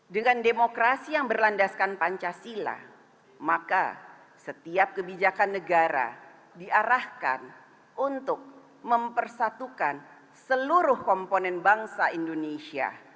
dengan demokrasi yang berlandaskan pancasila maka setiap kebijakan negara diarahkan untuk mempersatukan seluruh komponen bangsa indonesia